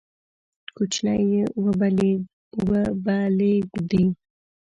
کوچنی یې وبلېږدی،